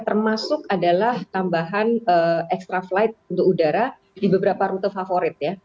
termasuk adalah tambahan extra flight untuk udara di beberapa rute favorit ya